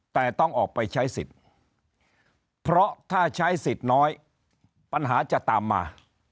แต่ต้องออกไปใช้สิทธิ์เพราะถ้าใช้สิทธิ์น้อยปัญหาจะตามมา